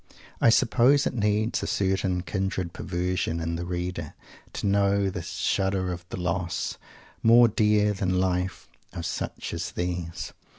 I suppose it needs a certain kindred perversion, in the reader, to know the shudder of the loss, more dear than life, of such as these!